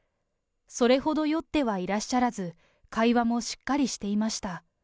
それほど酔ってはいらっしゃらず、会話もしっかりしていました。